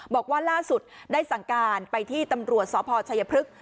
บอกว่าล่าสุดได้สั่งการไปที่ตำรวจสพชัยพฤกษ